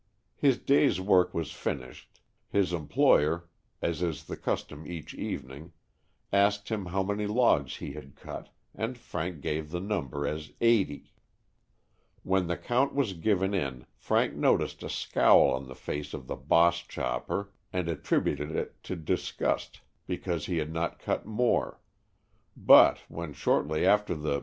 109 Stories from the Adirondack^ His day's work finished, his employer, as is the custom each evening, asked him how many logs he had cut and Frank gave the number as eighty. When the count was given in, Frank noticed a scowl on the face of the "boss chopper" and attributed it to disgust because he had not cut more, but when shortly after the "b.